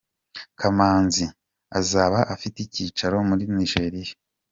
Kamanzi azaba afite icyicaro muri Nigeria.